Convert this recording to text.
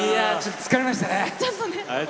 疲れましたね。